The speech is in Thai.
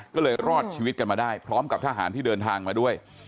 ก็เลยรอดชีวิตกันมาได้พร้อมกับทหารที่เดินทางมาด้วย